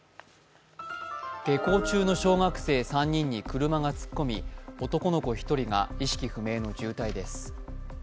下校中の小学生３人に車が突っ込み、男の子１人が意識不明の重体です。